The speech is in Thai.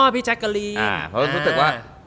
พี่แจ็คกะรีน